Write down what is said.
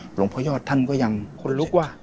หลวงพ่อยอดท่านก็ยังคนลุกว่า